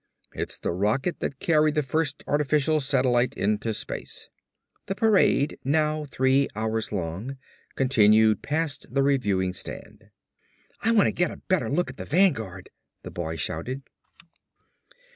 "It's the rocket that carried the first artificial satellite into space." The parade, now three hours old, continued past the reviewing stand. "I wanna get a better look at the Vanguard!" the boy shouted.